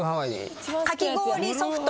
かき氷ソフト